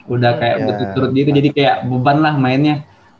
udah kayak berturut turut gitu jadi kayak beban lah mainnya